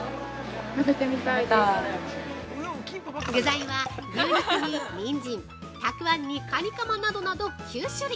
◆具材は牛肉に、にんじんたくあんにカニカマなどなど９種類。